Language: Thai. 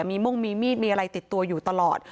มีมุ่งมีมีดมีอะไรติดตัวอยู่ตลอด